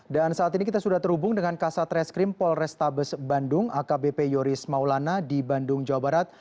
dan saat ini kita sudah terhubung dengan kasat reskrim polrestabes bandung akbp yoris maulana di bandung jawa barat